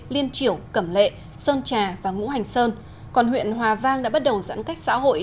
liên triểu cẩm lệ sơn trà và ngũ hành sơn còn huyện hòa vang đã bắt đầu giãn cách xã hội